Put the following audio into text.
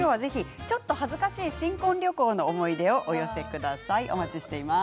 ちょっと恥ずかしい新婚旅行の思い出をお寄せください。